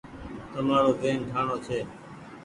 تمآرو زهين ٺآڻوڻ ڇي۔